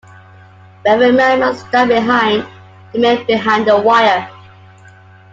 But every man must stand behind, the men behind the wire.